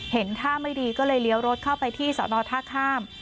เห็นท่าไม่ดีก็เลยเลี้ยวรถเข้าไปที่สอนอท่าข้าม